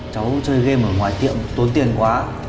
cháu chơi game ở ngoài tiệm tốn tiền quá